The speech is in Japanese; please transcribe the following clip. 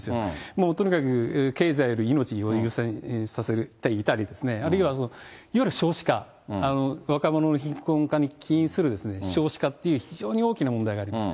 もうとにかく経済より命を優先させていたり、あるいは、いわゆる少子化、若者の貧困化に起因する少子化っていう非常に大きな問題があります。